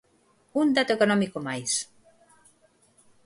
Un dato económico máis...